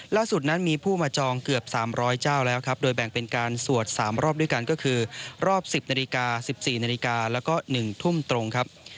ล่าสุดนั้นมีผู้มาจองเกือบ๓๐๐เจ้าแล้วครับโดยแบ่งเป็นการสวด๓รอบด้วยกันก็คือรอบ๑๐นาฬิกา๑๔นาฬิกาแล้วก็๑ทุ่มตรงครับ